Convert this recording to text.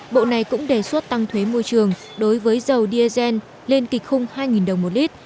bộ này cũng đề xuất tăng thuế môi trường đối với dầu diesel lên kịch khung hai đồng một lít